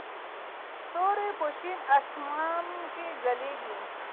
ستوري په شین اسمان کې ځلېږي.